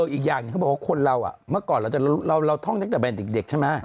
อีกอย่างเขาบอกว่าคนเราอ่ะเมื่อก่อนเราท่องจากเด็กใช่ไหม